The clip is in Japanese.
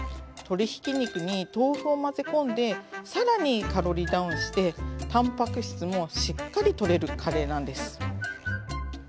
鶏ひき肉に豆腐を混ぜ込んで更にカロリーダウンしてたんぱく質もしっかりとれるカレーなんです。